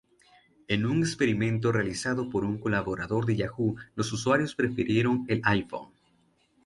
En un experimento realizado por un colaborador de Yahoo, los usuarios prefirieron el iPhone.